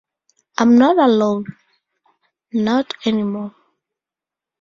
I'm not alone... not anymore.